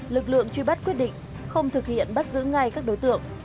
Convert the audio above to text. lực lượng truy bắt quyết định không thực hiện bắt giữ ngay các đối tượng